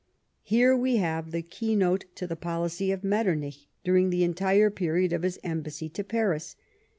Here we have the keynote to the policy of Metter nich during the entire period of his embassy to Paris.